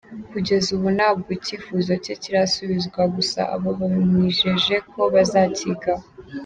Kugeza ubu ntabwo icyifuzo cye kirasubizwa, gusa abo bamwijeje ko bazakigaho.